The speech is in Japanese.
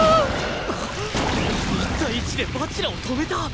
１対１で蜂楽を止めた！？